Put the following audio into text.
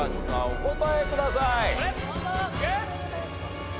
お答えください。